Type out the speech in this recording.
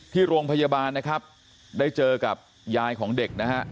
ที่โรงพยาบาลนะครับได้เจอกับยายของเด็กนะฮะ